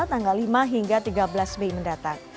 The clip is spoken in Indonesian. tanggal lima hingga tiga belas mei mendatang